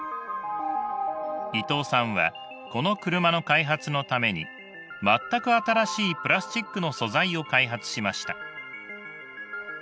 伊藤さんはこの車の開発のために全く新しいプラスチックの素材を開発しました。